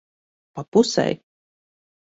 Pa pusei.